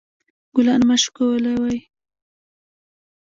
ګلان مه شکولوئ